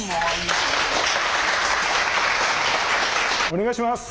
お願いします！